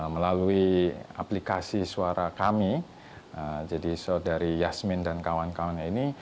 melalui aplikasi suara kami jadi saudari yasmin dan kawan kawannya ini